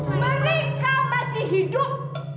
mereka pasti hidup